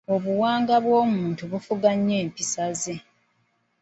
Obuwanga bw’omuntu bufuga nnyo empisa ze.